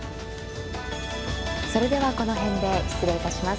それではこの辺で失礼いたします。